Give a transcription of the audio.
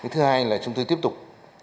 thứ hai là chúng tôi tiếp tục